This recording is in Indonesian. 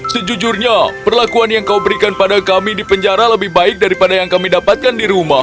sejujurnya perlakuan yang kau berikan pada kami di penjara lebih baik daripada yang kau lakukan